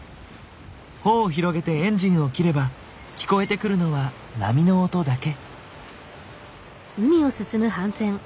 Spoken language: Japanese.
帆を広げてエンジンを切れば聞こえてくるのは波の音だけ。